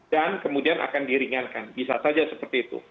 dan kemudian akan diringankan bisa saja seperti itu